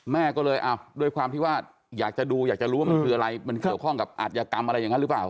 แม่ก็เลยด้วยความที่ว่าอยากจะดูอยากจะรู้ว่ามันคืออะไรมันเกี่ยวข้องกับอัธยกรรมอะไรอย่างนั้นหรือเปล่า